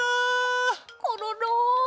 コロロ。